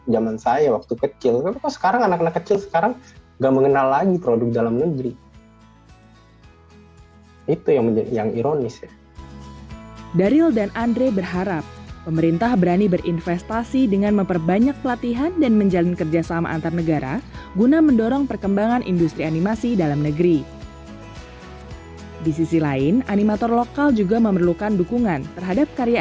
zaman saya waktu kecil kok sekarang anak anak kecil sekarang gak mengenal lagi produk dalam negeri